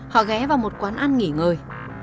họ ghé vào một quán ăn nghỉ ngơi